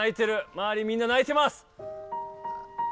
まわりみんな泣いてます。